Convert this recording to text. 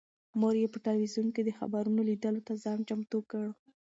مور یې په تلویزون کې د خبرونو لیدلو ته ځان چمتو کړ.